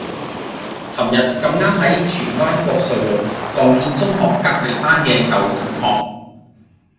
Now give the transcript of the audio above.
噚日咁啱喺荃灣國瑞路撞見中學隔離班嘅舊同學